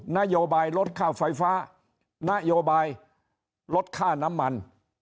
นโยบายลดค่าไฟฟ้านโยบายลดค่าน้ำมัน